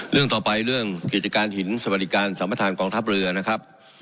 เรื่องต่อไปเรื่องกิจการหินสวัสดิการสัมประธานกองทัพเรือนะครับ